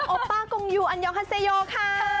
โอป้าโอป้ากงยูอันยองฮาเซโยค่ะ